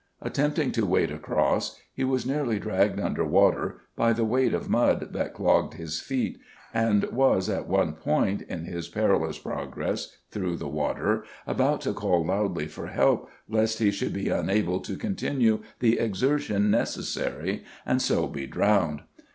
Attempting to wade across, he was nearly dragged under water by the weight of mud that clogged his feet, and was, at one point in his perilous progress through the water, about to call loudly for help lest he should be unable to continue the exertion necessary and so be drowned.